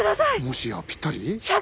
もしやぴったり？